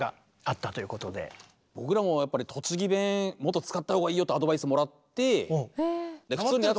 僕らもやっぱり栃木弁もっと使ったほうがいいよってアドバイスもらって。